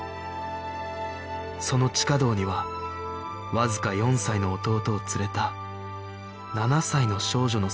その地下道にはわずか４歳の弟を連れた７歳の少女の姿がありました